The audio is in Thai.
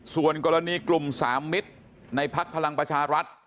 ส่วนกรณีกลุ่ม๓มิตรในพักพลังประชารัฐ